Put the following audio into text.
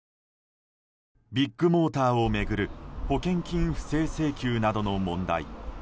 ビッグモーターを巡る保険金不正請求などの問題。